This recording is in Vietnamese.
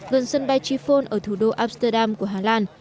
gần sân bay chiphone ở thủ đô amsterdam của hà lan